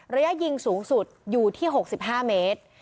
ระยะยิงสูงสุดอยู่ที่๖๕เมตร